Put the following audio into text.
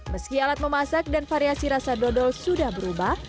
meski alat memasak dan variasi rasa dodol sudah berubah